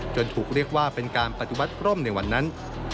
ถูกเรียกว่าเป็นการปฏิบัติพรมในวันนั้น